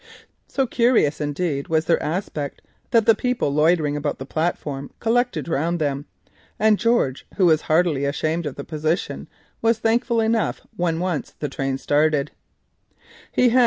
So curious indeed was their aspect that the people loitering about the platform collected round them, and George, who felt heartily ashamed of the position, was thankful enough when once the train started.